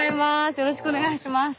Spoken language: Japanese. よろしくお願いします！